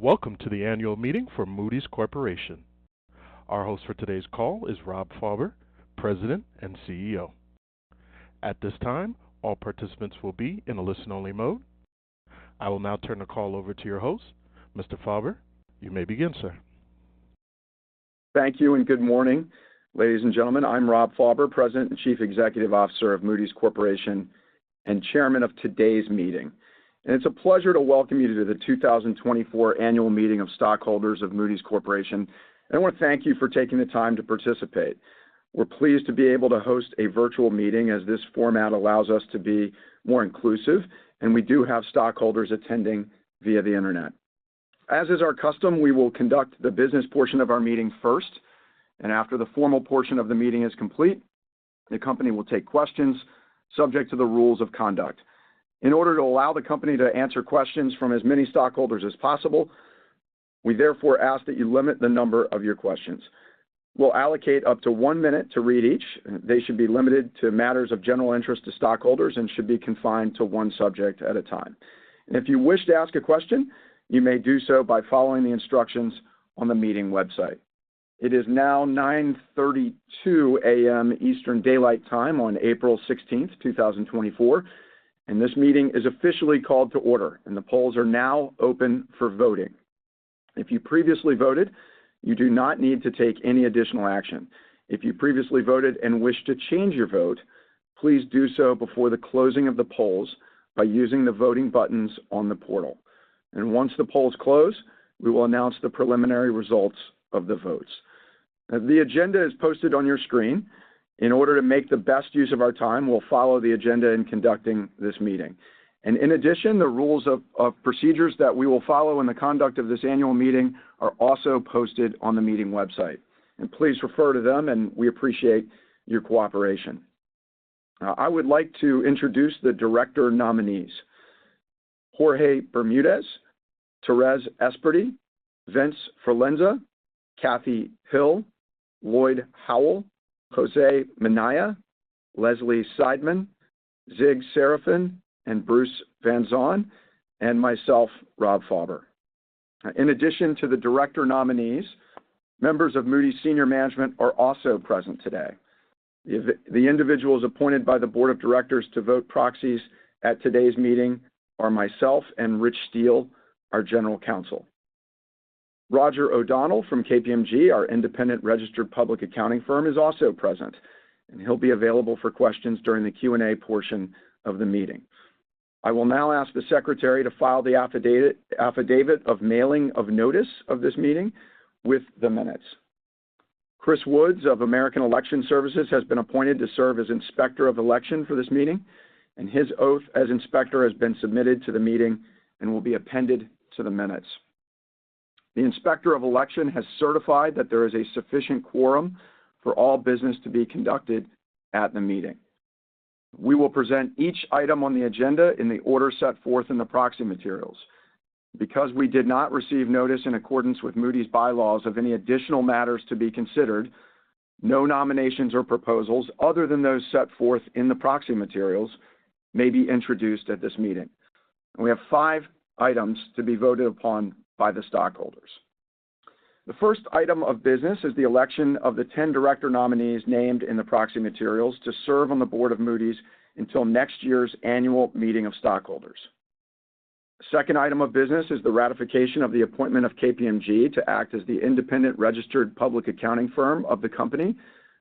Welcome to the annual meeting for Moody's Corporation. Our host for today's call is Rob Fauber, President and CEO. At this time, all participants will be in a listen-only mode. I will now turn the call over to your host. Mr. Fauber, you may begin, sir. Thank you, and good morning, ladies and gentlemen. I'm Rob Fauber, President and Chief Executive Officer of Moody's Corporation, and Chairman of today's meeting. It's a pleasure to welcome you to the 2024 Annual Meeting of Stockholders of Moody's Corporation, and I want to thank you for taking the time to participate. We're pleased to be able to host a virtual meeting as this format allows us to be more inclusive, and we do have stockholders attending via the internet. As is our custom, we will conduct the business portion of our meeting first, and after the formal portion of the meeting is complete, the company will take questions subject to the rules of conduct. In order to allow the company to answer questions from as many stockholders as possible, we therefore ask that you limit the number of your questions. We'll allocate up to one minute to read each. They should be limited to matters of general interest to stockholders and should be confined to one subject at a time. If you wish to ask a question, you may do so by following the instructions on the meeting website. It is now 9:32 A.M. Eastern Daylight Time on April sixteenth, two thousand and twenty-four, and this meeting is officially called to order, and the polls are now open for voting. If you previously voted, you do not need to take any additional action. If you previously voted and wish to change your vote, please do so before the closing of the polls by using the voting buttons on the portal. Once the polls close, we will announce the preliminary results of the votes. As the agenda is posted on your screen, in order to make the best use of our time, we'll follow the agenda in conducting this meeting. In addition, the rules of procedures that we will follow in the conduct of this annual meeting are also posted on the meeting website. Please refer to them, and we appreciate your cooperation. Now, I would like to introduce the director nominees: Jorge Bermudez, Thérèse Esperdy, Vincent Forlenza, Kathy Hill, Lloyd Howell, José Minaya, Leslie Seidman, Zig Serafin, and Bruce Van Saun, and myself, Rob Fauber. In addition to the director nominees, members of Moody's senior management are also present today. The individuals appointed by the board of directors to vote proxies at today's meeting are myself and Rich Steele, our General Counsel. Roger O'Donnell from KPMG, our independent registered public accounting firm, is also present, and he'll be available for questions during the Q&A portion of the meeting. I will now ask the secretary to file the affidavit of mailing of notice of this meeting with the minutes. Chris Woods of American Election Services has been appointed to serve as Inspector of Election for this meeting, and his oath as inspector has been submitted to the meeting and will be appended to the minutes. The Inspector of Election has certified that there is a sufficient quorum for all business to be conducted at the meeting. We will present each item on the agenda in the order set forth in the proxy materials. Because we did not receive notice in accordance with Moody's bylaws of any additional matters to be considered, no nominations or proposals other than those set forth in the proxy materials may be introduced at this meeting. We have five items to be voted upon by the stockholders. The first item of business is the election of the 10 director nominees named in the proxy materials to serve on the board of Moody's until next year's annual meeting of stockholders. Second item of business is the ratification of the appointment of KPMG to act as the independent registered public accounting firm of the company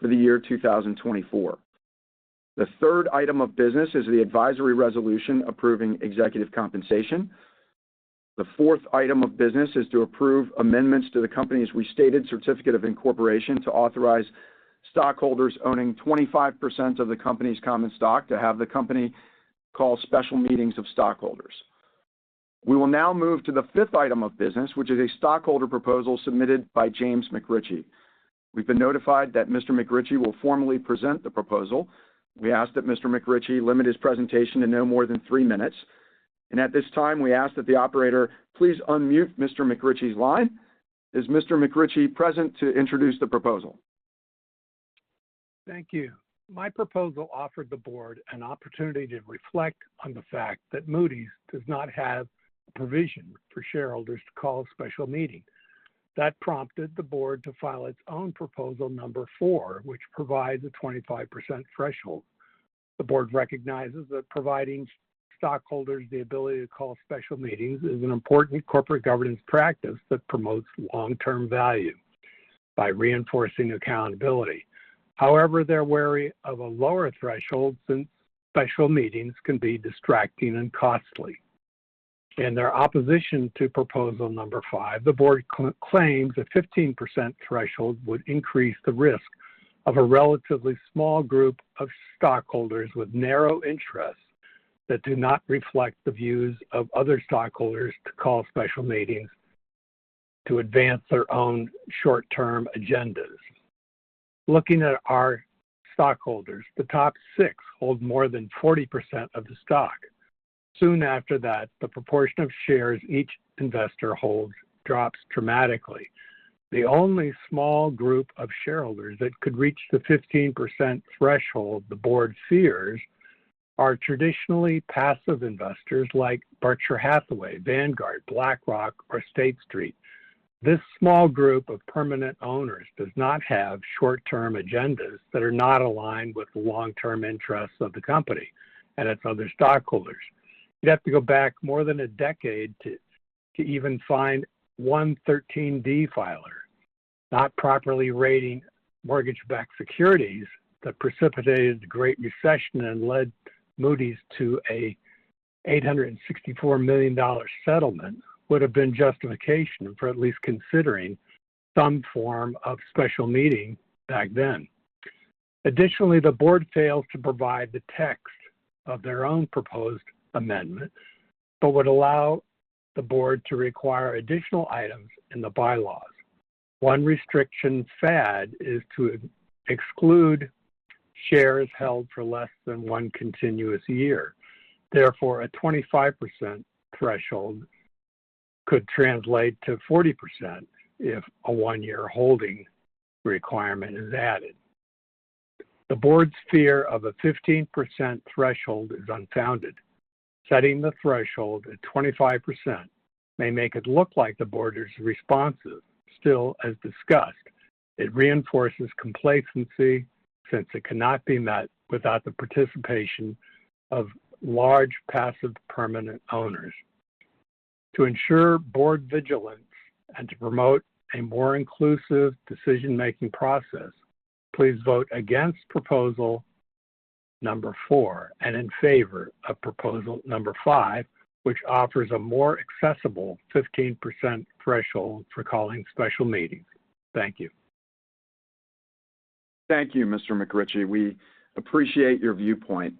for the year 2024. The third item of business is the advisory resolution approving executive compensation. The fourth item of business is to approve amendments to the company's Restated Certificate of Incorporation to authorize stockholders owning 25% of the company's common stock to have the company call special meetings of stockholders. We will now move to the fifth item of business, which is a stockholder proposal submitted by James McRitchie. We've been notified that Mr. McRitchie will formally present the proposal. We ask that Mr. McRitchie limit his presentation to no more than 3 minutes, and at this time, we ask that the operator please unmute Mr. McRitchie's line. Is Mr. McRitchie present to introduce the proposal? Thank you. My proposal offered the board an opportunity to reflect on the fact that Moody's does not have a provision for shareholders to call a special meeting. That prompted the board to file its own proposal, number four, which provides a 25% threshold. The board recognizes that providing stockholders the ability to call special meetings is an important corporate governance practice that promotes long-term value by reinforcing accountability. However, they're wary of a lower threshold since special meetings can be distracting and costly. In their opposition to proposal number five, the board claims a 15% threshold would increase the risk of a relatively small group of stockholders with narrow interests that do not reflect the views of other stockholders to call special meetings to advance their own short-term agendas. Looking at our stockholders, the top six hold more than 40% of the stock. Soon after that, the proportion of shares each investor holds drops dramatically. The only small group of shareholders that could reach the 15% threshold the board fears are traditionally passive investors like Berkshire Hathaway, Vanguard, BlackRock, or State Street. This small group of permanent owners does not have short-term agendas that are not aligned with the long-term interests of the company and its other stockholders. You'd have to go back more than a decade to even find one 13D filer, not properly rating mortgage-backed securities that precipitated the Great Recession and led Moody's to a $864 million settlement, would have been justification for at least considering some form of special meeting back then. Additionally, the board failed to provide the text of their own proposed amendment, but would allow the board to require additional items in the bylaws. One restriction fad is to exclude shares held for less than one continuous year. Therefore, a 25% threshold could translate to 40% if a 1-year holding requirement is added. The board's fear of a 15% threshold is unfounded. Setting the threshold at 25% may make it look like the board is responsive. Still, as discussed, it reinforces complacency since it cannot be met without the participation of large, passive, permanent owners. To ensure board vigilance and to promote a more inclusive decision-making process, please vote against proposal number 4 and in favor of proposal number 5, which offers a more accessible 15% threshold for calling special meetings. Thank you. Thank you, Mr. McRitchie. We appreciate your viewpoint.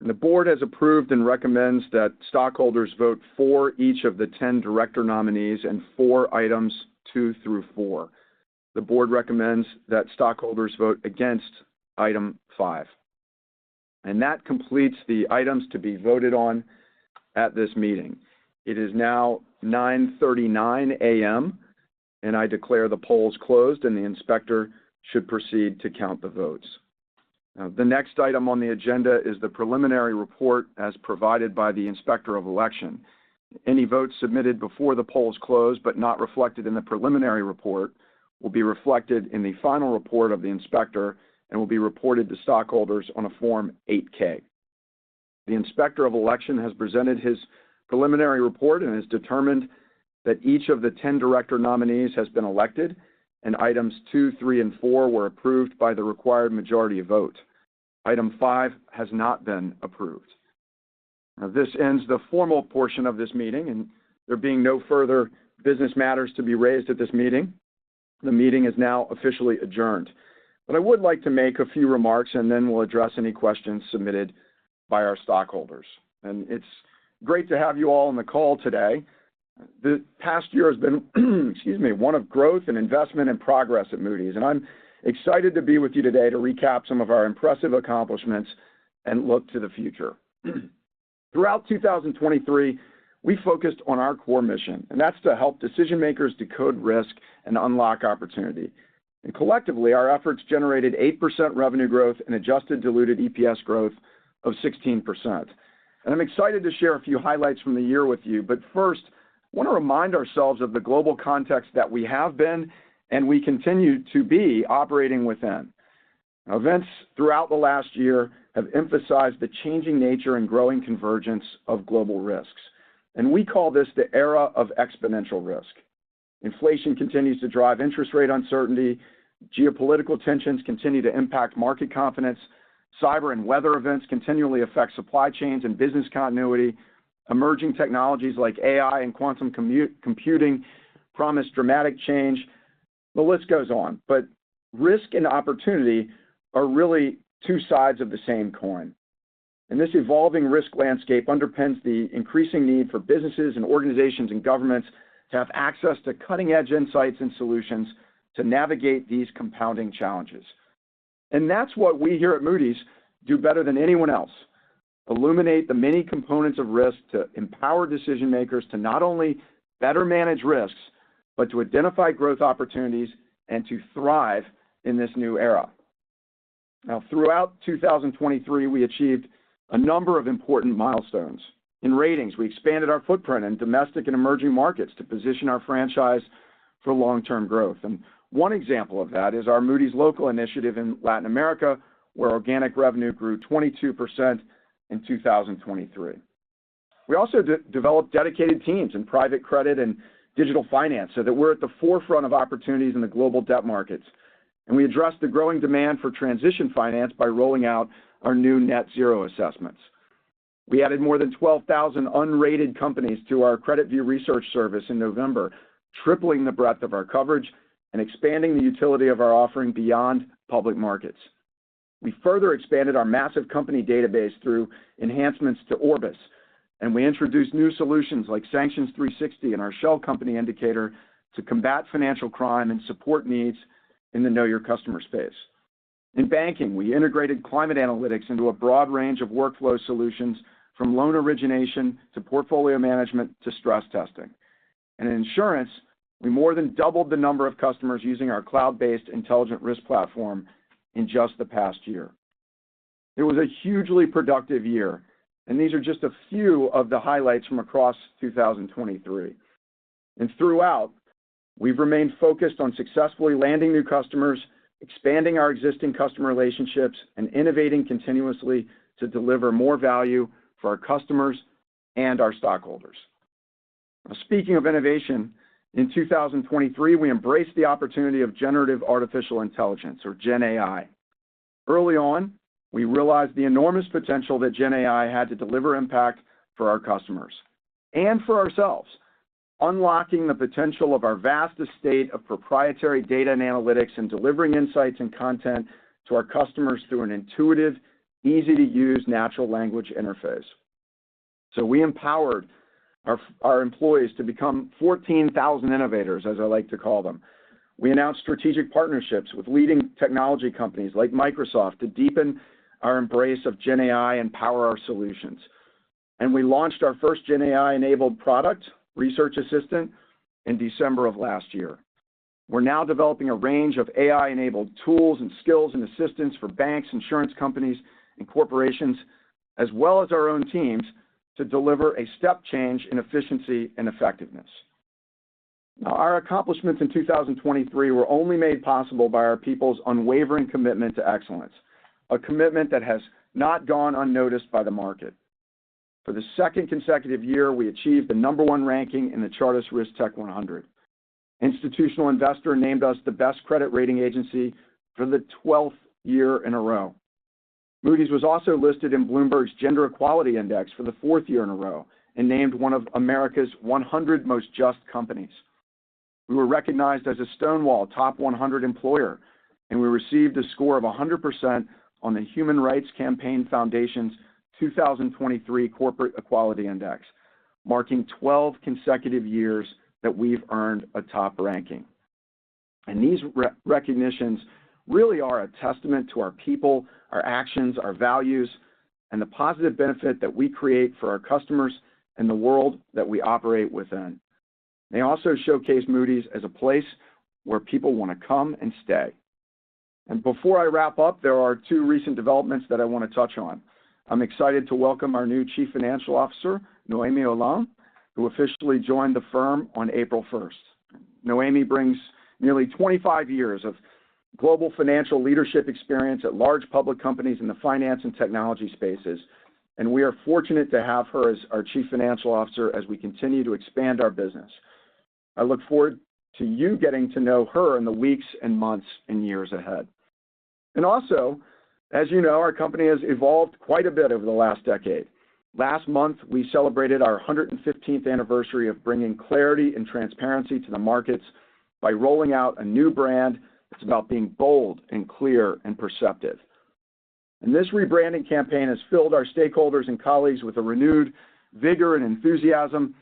The board has approved and recommends that stockholders vote for each of the 10 director nominees and for items two through four. The board recommends that stockholders vote against item five, and that completes the items to be voted on at this meeting. It is now 9:39 A.M., and I declare the polls closed, and the inspector should proceed to count the votes. The next item on the agenda is the preliminary report as provided by the Inspector of Election. Any votes submitted before the polls closed but not reflected in the preliminary report, will be reflected in the final report of the inspector and will be reported to stockholders on a Form 8-K. The Inspector of Election has presented his preliminary report and has determined that each of the 10 director nominees has been elected, and items two, three, and four were approved by the required majority vote. Item five has not been approved. Now, this ends the formal portion of this meeting, and there being no further business matters to be raised at this meeting, the meeting is now officially adjourned. I would like to make a few remarks, and then we'll address any questions submitted by our stockholders. It's great to have you all on the call today. The past year has been, excuse me, one of growth and investment and progress at Moody's, and I'm excited to be with you today to recap some of our impressive accomplishments and look to the future. Throughout 2023, we focused on our core mission, and that's to help decision-makers decode risk and unlock opportunity. Collectively, our efforts generated 8% revenue growth and Adjusted Diluted EPS growth of 16%. I'm excited to share a few highlights from the year with you, but first, I want to remind ourselves of the global context that we have been, and we continue to be, operating within. Events throughout the last year have emphasized the changing nature and growing convergence of global risks, and we call this the era of exponential risk. Inflation continues to drive interest rate uncertainty. Geopolitical tensions continue to impact market confidence. Cyber and weather events continually affect supply chains and business continuity. Emerging technologies like AI and quantum computing promise dramatic change. The list goes on, but risk and opportunity are really two sides of the same coin, and this evolving risk landscape underpins the increasing need for businesses and organizations and governments to have access to cutting-edge insights and solutions to navigate these compounding challenges. That's what we here at Moody's do better than anyone else, illuminate the many components of risk to empower decision makers to not only better manage risks, but to identify growth opportunities and to thrive in this new era. Now, throughout 2023, we achieved a number of important milestones. In ratings, we expanded our footprint in domestic and emerging markets to position our franchise for long-term growth. One example of that is our Moody's Local initiative in Latin America, where organic revenue grew 22% in 2023. We also developed dedicated teams in private credit and digital finance so that we're at the forefront of opportunities in the global debt markets. We addressed the growing demand for transition finance by rolling out our new Net Zero Assessments. We added more than 12,000 unrated companies to our CreditView research service in November, tripling the breadth of our coverage and expanding the utility of our offering beyond public markets. We further expanded our massive company database through enhancements to Orbis, and we introduced new solutions like Sanctions 360 and our Shell Company Indicator to combat financial crime and support needs in the Know Your Customer space. In banking, we integrated climate analytics into a broad range of workflow solutions, from loan origination to portfolio management to stress testing... In insurance, we more than doubled the number of customers using our cloud-based Intelligent Risk Platform in just the past year. It was a hugely productive year, and these are just a few of the highlights from across 2023. Throughout, we've remained focused on successfully landing new customers, expanding our existing customer relationships, and innovating continuously to deliver more value for our customers and our stockholders. Speaking of innovation, in 2023, we embraced the opportunity of generative artificial intelligence, or GenAI. Early on, we realized the enormous potential that GenAI had to deliver impact for our customers and for ourselves, unlocking the potential of our vast estate of proprietary data and analytics, and delivering insights and content to our customers through an intuitive, easy-to-use natural language interface. So we empowered our employees to become 14,000 innovators, as I like to call them. We announced strategic partnerships with leading technology companies like Microsoft, to deepen our embrace of GenAI and power our solutions. And we launched our first GenAI-enabled product, Research Assistant, in December of last year. We're now developing a range of AI-enabled tools, and skills, and assistance for banks, insurance companies, and corporations, as well as our own teams, to deliver a step change in efficiency and effectiveness. Now, our accomplishments in 2023 were only made possible by our people's unwavering commitment to excellence, a commitment that has not gone unnoticed by the market. For the second consecutive year, we achieved the number 1 ranking in the Chartis RiskTech100. Institutional Investor named us the Best Credit Rating Agency for the 12th year in a row. Moody's was also listed in Bloomberg's Gender-Equality Index for the fourth year in a row, and named one of America's 100 most just companies. We were recognized as a Stonewall Top 100 employer, and we received a score of 100% on the Human Rights Campaign Foundation's 2023 Corporate Equality Index, marking 12 consecutive years that we've earned a top ranking. These recognitions really are a testament to our people, our actions, our values, and the positive benefit that we create for our customers and the world that we operate within. They also showcase Moody's as a place where people want to come and stay. Before I wrap up, there are two recent developments that I want to touch on. I'm excited to welcome our new Chief Financial Officer, Noémie Heuland, who officially joined the firm on April first. Noémie brings nearly 25 years of global financial leadership experience at large public companies in the finance and technology spaces, and we are fortunate to have her as our Chief Financial Officer as we continue to expand our business. I look forward to you getting to know her in the weeks and months and years ahead. And also, as you know, our company has evolved quite a bit over the last decade. Last month, we celebrated our 115th anniversary of bringing clarity and transparency to the markets by rolling out a new brand that's about being bold, and clear, and perceptive. And this rebranding campaign has filled our stakeholders and colleagues with a renewed vigor and enthusiasm,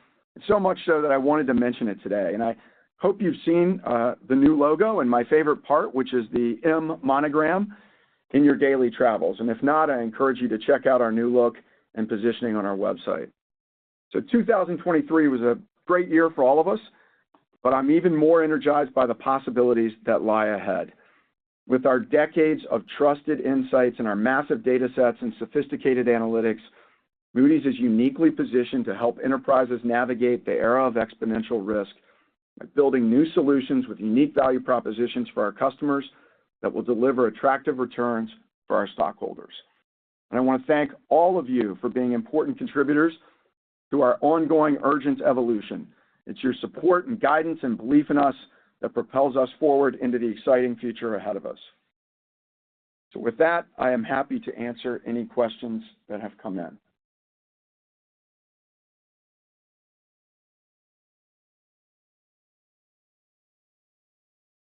so much so that I wanted to mention it today. I hope you've seen the new logo and my favorite part, which is the M monogram, in your daily travels. If not, I encourage you to check out our new look and positioning on our website. 2023 was a great year for all of us, but I'm even more energized by the possibilities that lie ahead. With our decades of trusted insights and our massive datasets and sophisticated analytics, Moody's is uniquely positioned to help enterprises navigate the era of exponential risk by building new solutions with unique value propositions for our customers that will deliver attractive returns for our stockholders. I want to thank all of you for being important contributors to our ongoing urgent evolution. It's your support and guidance and belief in us that propels us forward into the exciting future ahead of us. So with that, I am happy to answer any questions that have come in.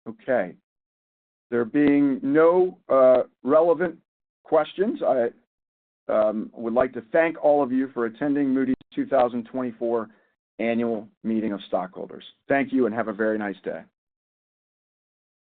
Okay, there being no relevant questions, I would like to thank all of you for attending Moody's 2024 Annual Meeting of Stockholders. Thank you, and have a very nice day.